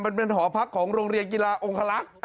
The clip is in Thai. มันเป็นหอพักของโรงเรียนกีฬาองคลักษณ์